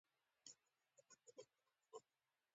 شاوخوا ځمکه سپېره ده او ونې په کې نه شته.